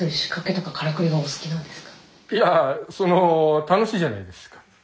いやその楽しいじゃないですか。